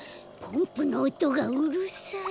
ポンプのおとがうるさい。